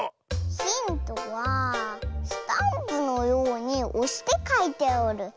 ヒントはスタンプのようにおしてかいておる。